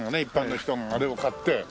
一般の人があれを買って。